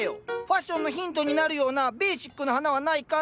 ファッションのヒントになるようなベーシックな花はないか？